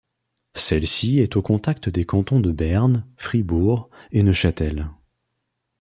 Celle-ci est au contact des cantons de Berne, Fribourg et Neuchâtel.